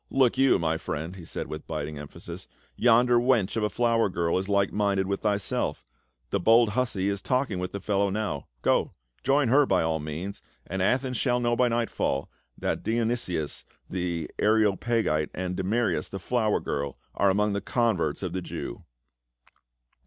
" Look you, my friend," he said with biting emphasis, " yonder wench of a flower girl is like minded with thyself; the bold hussy is talking with the fellow now. Go, join her by all means, and Athens shall know by nightfall that Dionysius the Areopagite and Damaris* the flower girl are among the converts of the Jew."